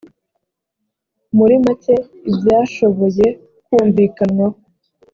muri make ibyashoboye kumvikanwaho